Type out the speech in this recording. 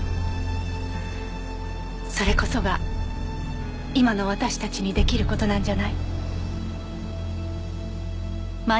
それこそが今の私たちに出来る事なんじゃない？